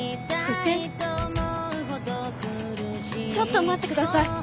ちょっと待って下さい。